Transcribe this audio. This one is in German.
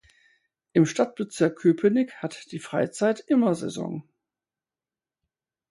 Im Stadtbezirk Köpenick hat die Freizeit immer Saison.